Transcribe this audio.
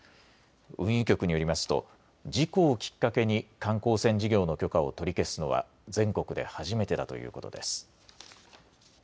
運輸局によりますと事故をきっかけに観光船事業の許可を取り消すのは全国で初めてだということです。